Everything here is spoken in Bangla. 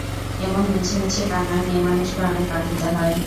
এমন মিছিমিছি কান্না মেয়েমানুষকে অনেক কাঁদিতে হয়।